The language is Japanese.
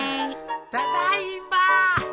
・ただいま。